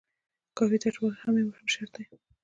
کافي تجربه لرل هم یو مهم شرط دی.